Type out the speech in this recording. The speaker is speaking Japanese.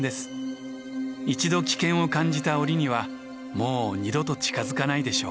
一度危険を感じた檻にはもう二度と近づかないでしょう。